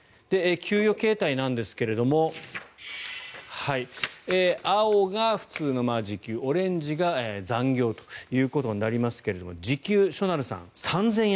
給与形態なんですが青が普通の時給オレンジが残業ということになりますが時給、しょなるさん３０００円です。